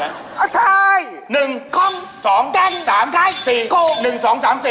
อังกฤษ